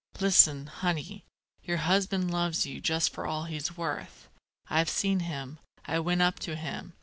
Listen, honey: your husband loves you just for all he's worth. I've seen him. I went up to him.